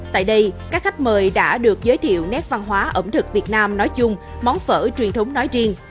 tại đây các khách mời đã được giới thiệu nét văn hóa ẩm thực việt nam nói chung món phở truyền thống nói riêng